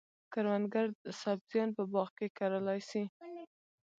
کروندګر سبزیان په باغ کې کرلای شي.